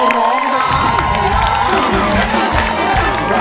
ร้องนะ